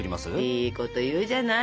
いいこと言うじゃない。